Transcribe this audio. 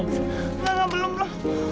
enggak enggak belum ndre